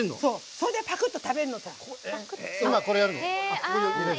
それでパクッと食べるのさ。